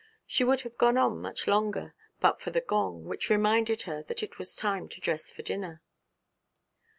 She would have gone on much longer, but for the gong, which reminded her that it was time to dress for dinner.